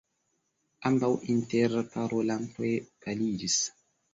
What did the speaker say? Ambaŭ interparolantoj paliĝis.